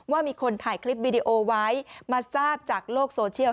ว่ามีคนถ่ายคลิปวิดีโอไว้มาทราบจากโลกโซเชียล